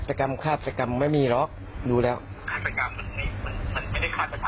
ไปปรึกษาใครออกตัวไปใครออกพี่เห็นแล้วพี่